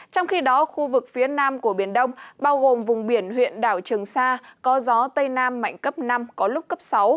trong khi đó khu vực phía nam của biển đông bao gồm vùng biển huyện đảo trường sa có gió tây nam mạnh cấp năm có lúc cấp sáu